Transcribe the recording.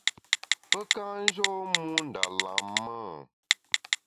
Pe ka njô mû nda lam-e ?